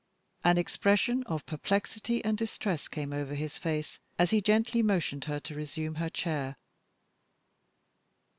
An expression of perplexity and distress came over his face, as he gently motioned her to resume her chair.